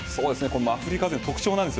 アフリカ勢の特徴です。